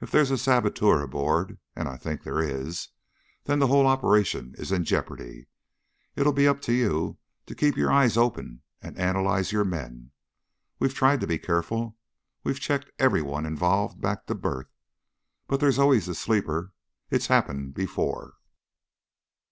If there's a saboteur aboard and I think there is then the whole operation's in jeopardy. It'll be up to you to keep your eyes open and analyze your men. We've tried to be careful. We've checked everyone involved back to birth. But there's always the sleeper. It's happened before."